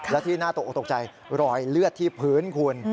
และที่น่าตกออกตกใจรอยเลือดที่พื้นคุณ